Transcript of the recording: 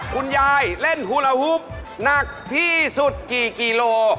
คุณยายเล่นฮูลาฮุบหนักที่สุดกี่กิโล